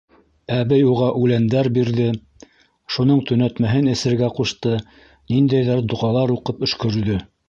Әбей уға үләндәр бирҙе, шуның төнәтмәһен эсергә ҡушты, ниндәйҙер доғалар уҡып, өшкөрҙө.